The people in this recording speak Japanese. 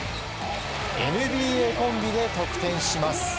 ＮＢＡコンビで得点します。